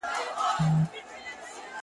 • سم د قصاب د قصابۍ غوندي؛